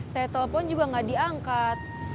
saya telepon juga gak diangkat